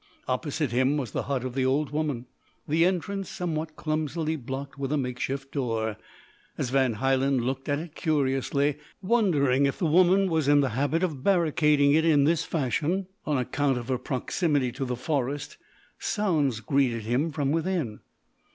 Opposite him was the hut of the old woman, the entrance somewhat clumsily blocked with a makeshift door. As Van Hielen looked at it curiously, wondering if the woman was in the habit of barricading it in this fashion on account of her proximity to the forest, sounds greeted him from within.